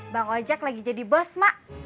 bang ojek lagi jadi bos mak